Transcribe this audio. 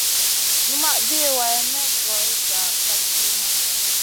Numaʼ vi way maʼ goy ga kat tina.